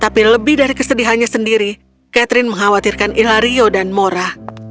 tapi lebih dari kesedihannya sendiri catherine mengkhawatirkan ilario dan mora